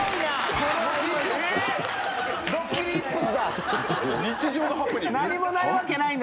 「ドッキリイップスだ！」